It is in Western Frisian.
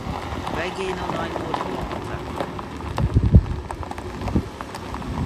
Wy gean no nei Noard-Hollân ta.